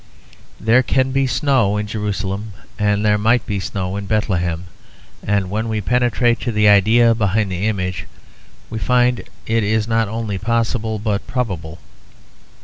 There can be snow in Jerusalem, and there might be snow in Bethlehem; and when we penetrate to the idea behind the image, we find it is not only possible but probable.